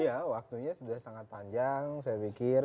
iya waktunya sudah sangat panjang saya pikir